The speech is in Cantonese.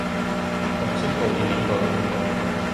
紅色暴雨警告